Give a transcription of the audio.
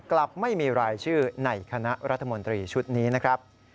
กลับไม่มีรายชื่อในคณะรัฐมนตรีชุดนี้นะครับ